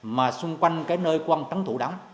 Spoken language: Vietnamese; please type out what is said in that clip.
mà xung quanh cái nơi quan trấn thủ đó